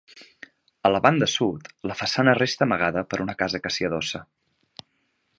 A la banda sud la façana resta amagada per una casa que s'hi adossa.